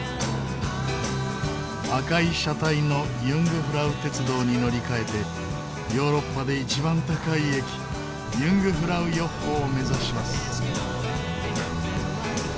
赤い車体のユングフラウ鉄道に乗り換えてヨーロッパで一番高い駅ユングフラウヨッホを目指します。